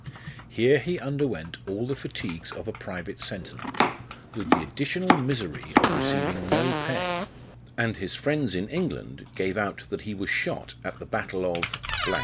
Here he under went all the fatigues of a private sentinel, with the additional misery of receiving no pay, and his friends in England gave out that he was shot at the battle of r 1